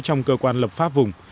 trong cơ quan lập pháp vùng